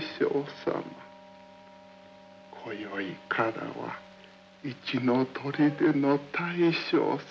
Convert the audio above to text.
今宵からは一の砦の大将様。